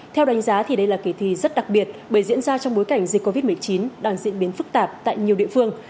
theo đánh giá đây là kỳ thi rất đặc biệt bởi diễn ra trong bối cảnh dịch covid một mươi chín đang diễn biến phức tạp tại nhiều địa phương